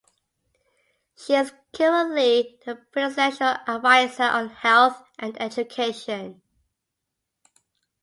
She is currently the Presidential Advisor on Health and Education.